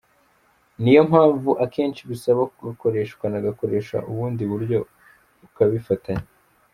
Niyo mpamvu akenshi bisaba kugakoresha ukanakoresha ubundi buryo ukabifatanya.